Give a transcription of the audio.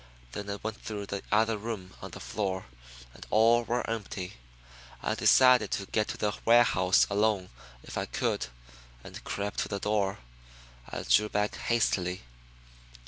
Then I went through the other rooms on the floor, and all were empty. I decided to get to the warehouse alone if I could, and crept to the door. I drew back hastily.